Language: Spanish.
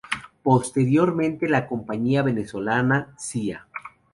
Posteriormente, la compañía venezolana, Cia.